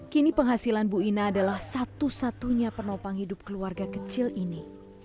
kini penghasilan bu ina adalah satu satunya penopang hidup keluarga kecil ini